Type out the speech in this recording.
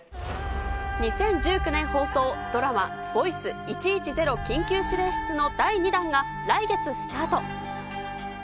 ２０１９年放送、ドラマ、ボイス１１０緊急指令室の第２弾が、来月スタート。